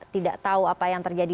tidak tahu apa yang terjadi